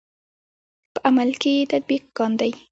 په عمل کې یې تطبیق کاندئ.